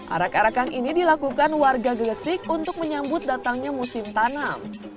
arak arakan ini dilakukan warga gresik untuk menyambut datangnya musim tanam